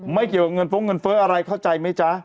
ไม่เกี่ยวกับเงินฟ้องเงินเฟ้ออะไรเข้าใจไหมจ๊ะ